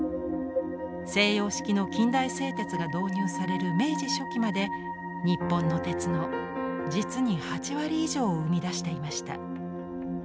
西洋式の近代製鉄が導入される明治初期まで日本の鉄の実に８割以上を生み出していました。